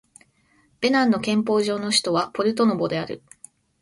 ベナンの憲法上の首都はポルトノボである